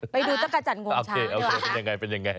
ไปดูจักรจันทร์งวงช้างดีกว่าเออโอเคเป็นอย่างไร